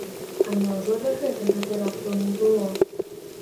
А няўжо да гэтага тэрактаў не было?